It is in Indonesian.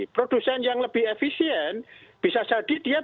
produsen yang lebih efisien bisa jadi dia bisa memberikan harga yang dihargai